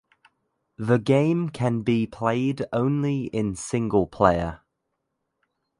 The game can be played only in single player.